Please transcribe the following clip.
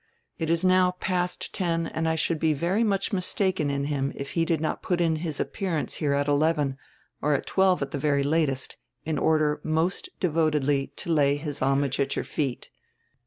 It is now past ten, and I should be very much mistaken in him if he did not put in his appearance here at eleven, or at twelve at tire very latest, in order nrost devotedly to lay his homage at your feet.